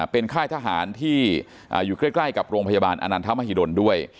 เป็นค่ายทหารที่อยู่ใกล้กับโรงพยาบาลอนันทมหิดลด้วย